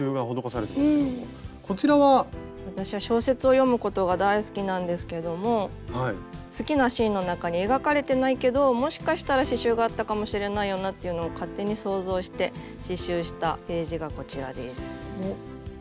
私は小説を読むことが大好きなんですけども好きなシーンの中に描かれてないけどもしかしたら刺しゅうがあったかもしれないよなっていうのを勝手に想像して刺しゅうしたページがこちらです。